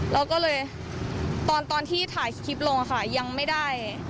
เราก็เลยตอนที่ถ่ายคลิปลงค่ะยังไม่ได้